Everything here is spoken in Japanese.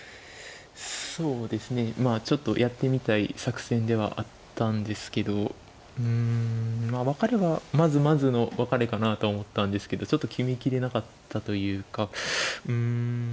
そうですねまあちょっとやってみたい作戦ではあったんですけどうん分かれはまずまずの分かれかなと思ったんですけどちょっと決めきれなかったというかうん